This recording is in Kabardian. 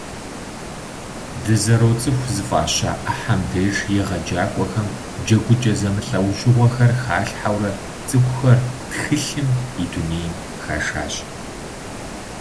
«Дызэроцӏыху» зыфӏаща ӏыхьэм деж егъэджакӏуэхэм джэгукӏэ зэмылӏэужьыгъуэхэр халъхьэурэ цӏыкӏухэр тхылъым и дунейм хашащ.